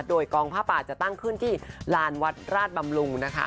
โดยกองผ้าป่าจะตั้งขึ้นที่ลานวัดราชบำรุงนะคะ